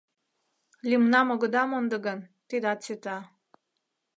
Лӱмнам огыда мондо гын, тидат сита...